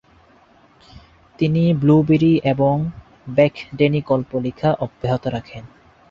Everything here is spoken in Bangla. তিনি ব্লুবেরি এবং বাক ড্যানি গল্প লিখা অব্যাহত রাখেন।